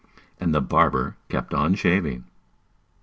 And the barber kept on shaving.